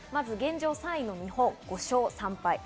現状３位の日本、５勝３敗。